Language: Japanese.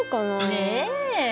ねえ。